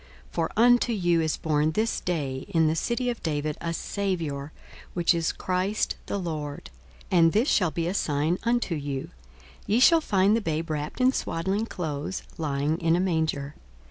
42:002:011 For unto you is born this day in the city of David a Saviour, which is Christ the Lord. 42:002:012 And this shall be a sign unto you; Ye shall find the babe wrapped in swaddling clothes, lying in a manger.